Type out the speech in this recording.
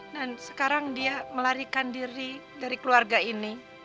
sekarang dia melarikan diri dari keluarga ini